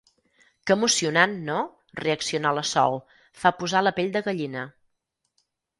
Que emocionant, no? —reacciona la Sol— Fa posar la pell de gallina.